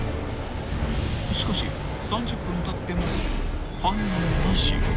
［しかし３０分たっても反応なし］